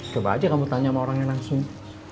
coba aja kamu tanya sama orangnya langsung